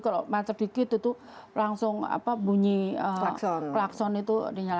kalau mancer dikit itu langsung bunyi klakson